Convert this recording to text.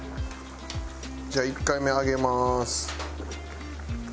じゃあ１回目上げます。